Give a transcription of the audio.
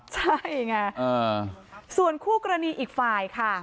ใช่ไงส่วนคู่กรณีอีกฝ่ายค่ะ